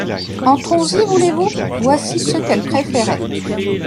Entrons-y, voulez-vous ? Voici ceux qu'elle préférait.